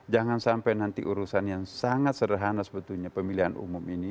jangan sampai nanti urusan yang sangat sederhana sebetulnya pemilihan umum ini